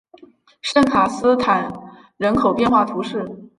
圣卡斯坦人口变化图示